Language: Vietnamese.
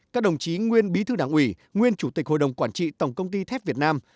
các đồng chí nguyên bí thư đảng ủy nguyên chủ tịch hội đồng quản trị tổng công ty thép việt nam